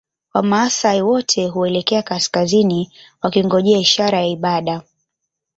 Wamaasai wote huelekea kaskazini wakingojea ishara ya ibada